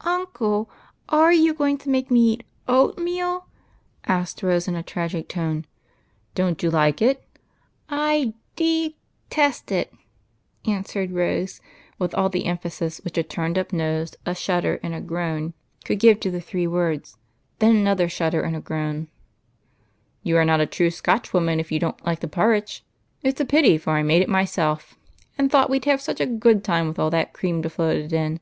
" Uncle, are you going to make me eat oatmeal ?" asked Rose, in a tragic tone. « Don't you like it ?"" I de test it !" answered Rose, with all the emphasis which a turned up nose, a shudder, and a groan could give to the three words. " You are not a true Scotchwoman, if you don't like the ' parritch.' It 's a pity, for I made it myself, and thought we'd have such a good time with all that cream to float it in.